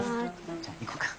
じゃ行こうか。